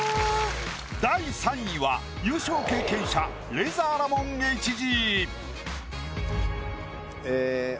第３位は優勝経験者レイザーラモン・ＨＧ。